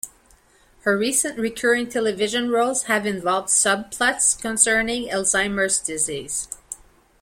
Her recent recurring television roles have involved subplots concerning Alzheimer's disease.